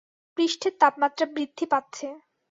পৃষ্ঠের তাপমাত্রা বৃদ্ধি পাচ্ছে।